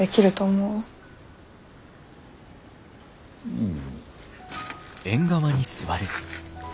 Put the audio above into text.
うん。